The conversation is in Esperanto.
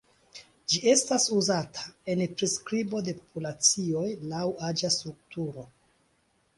Ĝi estas uzata en priskribo de populacioj laŭ aĝa strukturo.